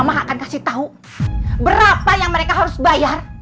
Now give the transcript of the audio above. maka akan kasih tahu berapa yang mereka harus bayar